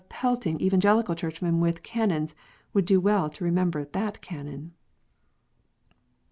pelting Evangelical Churchmen with Canons would do well to remember that Canon.